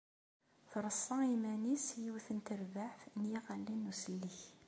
Treṣṣa iman-is yiwet n terbaεt n yiɣallen n usellek.